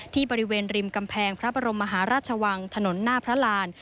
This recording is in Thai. ที่บริเวณริมกำแพงพระบรมมหาราชวังถนนหน้าพระราน